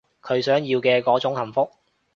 佢想要嘅嗰種幸福